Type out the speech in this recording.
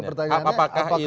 ya pertanyaannya apakah itu